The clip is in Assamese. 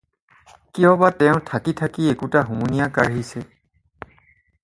কিয় বা তেওঁ থাকি থাকি একোটা হুমুনিয়াহ কাঢ়িছে?